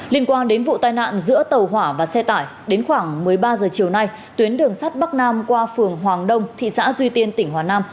liên quan đến vụ tai nạn giữa tàu hỏa và xe tải đến khoảng một mươi ba h chiều nay tuyến đường sắt bắc nam qua phường hoàng đông thị xã duy tiên tỉnh hòa nam